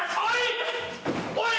おい！